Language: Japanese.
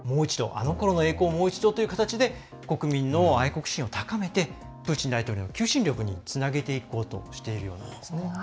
あのころの栄光をもう一度という形で国民の愛国心を高めてプーチン大統領の求心力につなげていこうとしているんです。